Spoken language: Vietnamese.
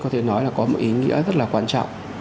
có thể nói là có một ý nghĩa rất là quan trọng